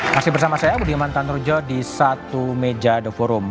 masih bersama saya budi eman tanrujo di satu meja the forum